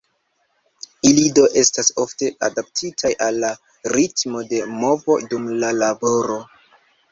Ili do estas ofte adaptitaj al la ritmo de movo dum la laboro.